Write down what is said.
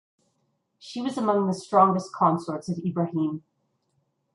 She was among the strongest consorts of Ibrahim.